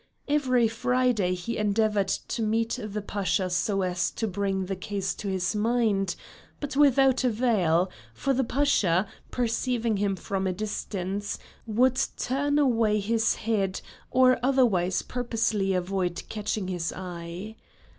Every Friday he endeavored to meet the Pasha so as to bring the case to his mind, but without avail; for the Pasha, perceiving him from a distance, would turn away his head or otherwise purposely avoid catching his eye.